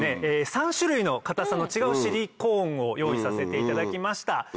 ３種類の硬さの違うシリコーンを用意させていただきました。